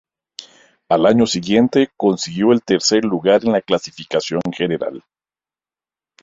Al año siguiente consiguió el tercer lugar en la clasificación general.